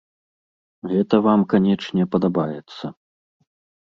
Гэта вам, канечне, падабаецца.